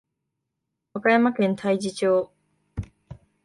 和歌山県太地町